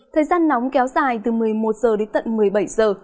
thời gian nóng kéo dài từ một mươi một giờ đến tận một mươi bảy giờ